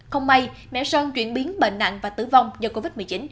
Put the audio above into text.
không may mẹo sơn chuyển biến bệnh nặng và tử vong do covid một mươi chín